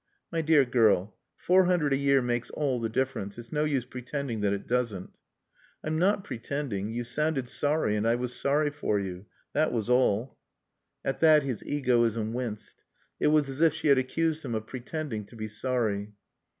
"My dear girl, four hundred a year makes all the difference; it's no use pretending that it doesn't." "I'm not pretending. You sounded sorry and I was sorry for you. That was all." At that his egoism winced. It was as if she had accused him of pretending to be sorry.